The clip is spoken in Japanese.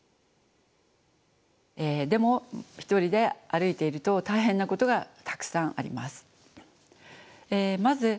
でも一人で歩いていると大変なことがたくさんあります。